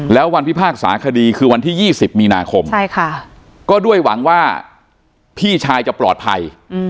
แล้ววันพิพากษาคดีคือวันที่๒๐มีนาคมก็ด้วยหวังว่าพี่ชายจะปลอดภัย